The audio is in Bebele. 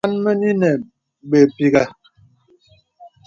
Mə̀bɔ̀ mə màn mə nə́ nə̀ bèpìghə̀.